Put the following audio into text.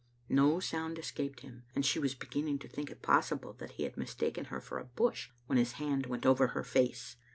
No sound escaped him, and she was begin ning to think it possible that he had mistaken her for a bush when his hand went over her face.